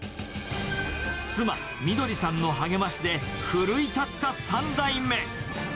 妻、みどりさんの励ましで、奮い立った３代目。